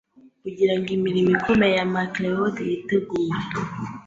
kugirango imirimo ikomeye ya Macleod yitegure